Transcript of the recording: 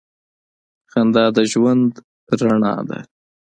• خندا د ژوند رڼا ده.